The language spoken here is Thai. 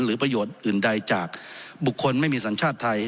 ประโยชน์อื่นใดจากบุคคลไม่มีสัญชาติไทย